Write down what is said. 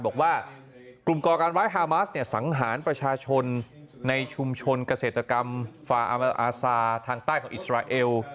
บอกว่ากลุ่มก่อการร้ายฮามาสเนี่ยสังหารประชาชนในชุมชนเกษตรกรรมฟาอามาอาซาทางใต้ของอิสราเอล